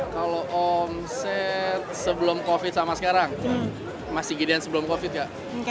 kalau omset sebelum covid sama sekarang masih gedean sebelum covid ya